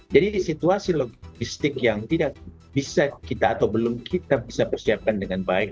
jadi situasi logistik yang tidak bisa kita atau belum kita bisa persiapkan dengan baik